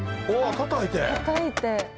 たたいて。